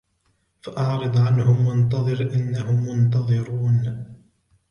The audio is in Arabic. فَأَعْرِضْ عَنْهُمْ وَانْتَظِرْ إِنَّهُمْ مُنْتَظِرُونَ